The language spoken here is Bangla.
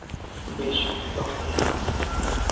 বেশ, দম নিয়ে নাও।